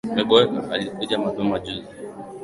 Alikuja mapema juzi